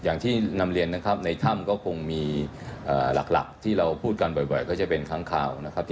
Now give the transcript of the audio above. อย่างที่นำเรียนนะครับในถ้ำก็คงมีหลักที่เราพูดกันบ่อยก็จะเป็นค้างข่าวนะครับ